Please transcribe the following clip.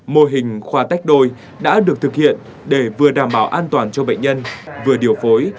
mô hình khoa tách đôi đã được thực hiện để vừa đảm bảo an toàn cho bệnh nhân vừa điều phối